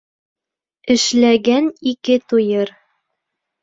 Эшләгән ике туйыр.